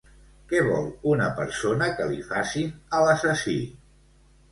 Què vol una persona que li facin a l'assassí?